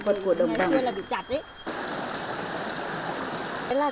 thì nó cũng bị chặt